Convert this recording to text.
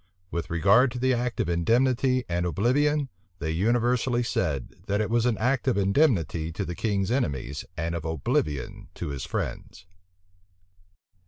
With regard to the act of indemnity and oblivion, they universally said, that it was an act of indemnity to the king's enemies and of oblivion to his friends.